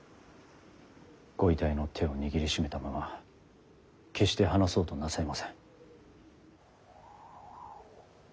ご遺体の手を握りしめたまま決して離そうとなさいません。